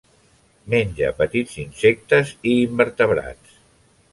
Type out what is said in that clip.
Menja petits insectes i invertebrats.